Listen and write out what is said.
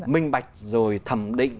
minh bạch rồi thẩm định